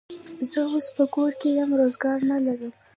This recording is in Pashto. زه اوس په کور یمه، روزګار نه لرم.